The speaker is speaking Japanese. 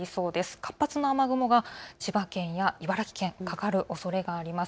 活発な雨雲が千葉県や茨城県、かかるおそれがあります。